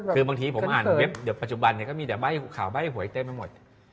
คือบางทีผมอ่านเว็บเดียวปัจจุบันก็มีแต่ข่าวใบ้หัวอีกเต้นไม่หมด